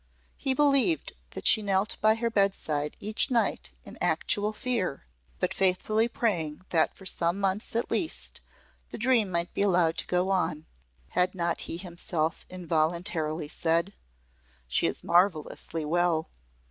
He believed that she knelt by her bedside each night in actual fear, but faithfully praying that for some months at least the dream might be allowed to go on. Had not he himself involuntarily said, "She is marvellously well.